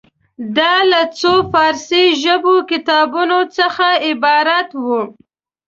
دا له څو فارسي ژبې کتابونو څخه عبارت وه.